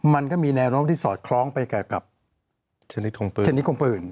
มันก็มีแนวที่สอดคล้องไปกับชนิดของปืน